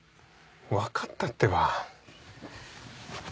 分かったってば。